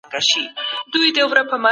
ذمي زموږ د قانون تر سیوري لاندې دی.